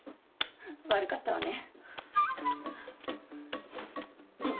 悪かったわね。